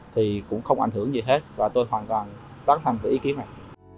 thì cũng không ảnh hưởng gì hết và tôi hoàn toàn tán thành với ý kiến này